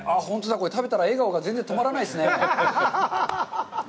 これ、食べたら笑顔が止まらないですね。